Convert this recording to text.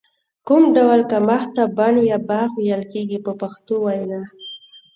کوم ډول کښت ته بڼ یا باغ ویل کېږي په پښتو وینا.